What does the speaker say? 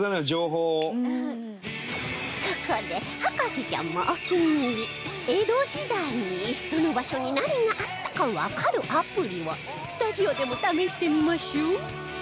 ここで博士ちゃんもお気に入り江戸時代にその場所に何があったかわかるアプリをスタジオでも試してみましょう